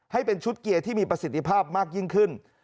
ให้เป็นชุดเกียร์ที่มีประสิทธิภาพมากยิ่งขึ้น